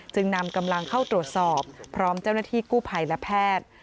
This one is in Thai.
นำกำลังเข้าตรวจสอบพร้อมเจ้าหน้าที่กู้ภัยและแพทย์